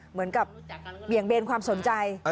เหมือนกับเบี่ยงเบนความสนใจ